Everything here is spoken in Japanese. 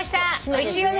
おいしいよね。